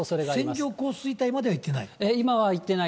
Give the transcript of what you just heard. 線状降水帯まではいってない？